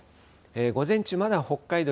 午前中、まだ北海道